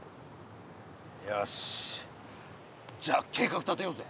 よしじゃあ計画立てようぜ。